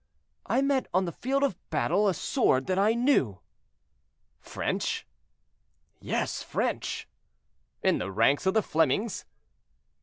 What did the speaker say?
"I met on the field of battle a sword that I knew." "French?" "Yes, French." "In the ranks of the Flemings?"